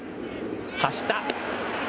走った。